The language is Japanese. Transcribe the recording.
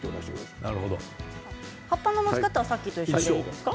葉っぱの持ち方はさっきと一緒でいいですか？